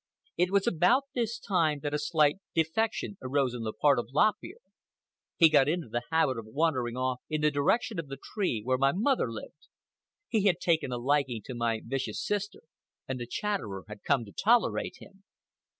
It was about this time that a slight defection arose on the part of Lop Ear. He got into the habit of wandering off in the direction of the tree where my mother lived. He had taken a liking to my vicious sister, and the Chatterer had come to tolerate him.